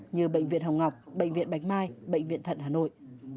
như bệnh viện hồng ngọc bệnh viện bạch mai bệnh viện thận hà nội